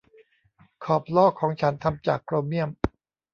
ขอบล้อของฉันทำจากโครเมี่ยม